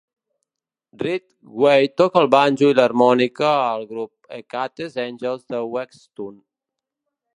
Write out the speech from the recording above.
Ridgway toca el banjo i harmònica al grup Hecate's Angels de Wexstun.